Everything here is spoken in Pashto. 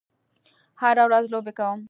هره ورځ لوبې کوم